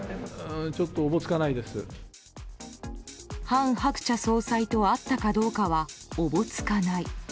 韓鶴子総裁と会ったかどうかはおぼつかない。